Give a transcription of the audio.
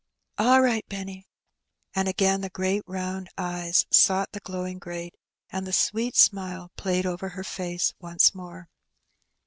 '^All right, Benny." And again the great round eyes sought the glowing grate, and the sweet smile played over her face once more.